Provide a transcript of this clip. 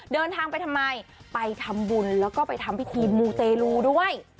เดินทางไปทำไมไปทำบุญแล้วก็ไปทำพิธีมูเตลูด้วย